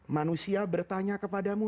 manusia bertanya kepadamu